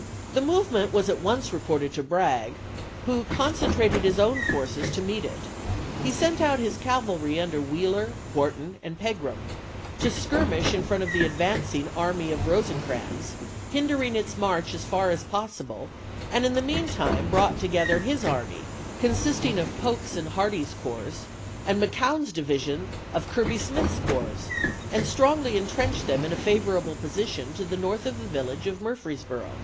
The move ment was at once reported to Bragg, who concen trated his own forces to meet it. He sent out his cavalry under Wheeler, Wharton, and Pegram, to skirmish in front of the advancing army of Rose crans, hindering its march as far as possible and, in the mean time, brought together his army, con sisting of Polk's and Hardee's corps, and McCown's division of Kirby Smith's corps, and strongly intrenched them in a favorable position to the north of the village of Murfreesboro.